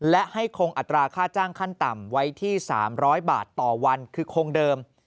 และให้คงอัตราค่าจ้างขั้นต่ำไว้ที่๓๐๐บาทต่อวันคือคงเดิม